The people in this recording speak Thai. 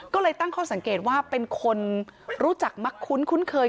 ก็เลยตั้งข้อสังเกตว่าเป็นคนรู้จักมักคุ้นเคย